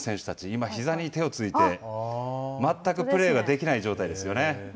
今、ひざに手をついて、全くプレーができない状態ですよね。